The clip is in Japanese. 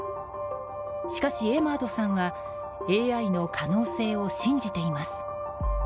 しかし、エマードさんはＡＩの可能性を信じています。